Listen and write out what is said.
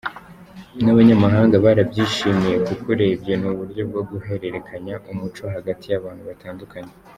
N’abanyamahanga barabyishimiye kuko urebye ni uburyo bwo guhererekanya umuco hagati y’abantu batandukanye.